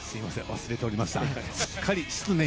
忘れておりました。